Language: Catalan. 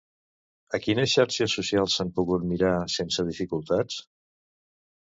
A quines xarxes socials s'han pogut mirar sense dificultats?